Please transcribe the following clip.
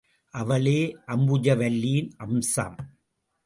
அவளே அம்புஜவல்லியின் அம்சம்.